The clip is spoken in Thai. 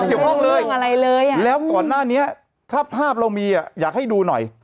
ไม่ได้เกียรติฮ่อเลยแล้วก่อนหน้านี้ถ้าภาพเรามีอยากให้ดูหน่อย